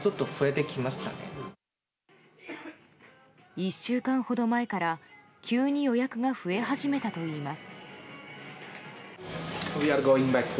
１週間ほど前から急に予約が増え始めたといいます。